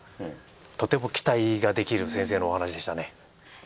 とても期待ができる先生のお話でしたね。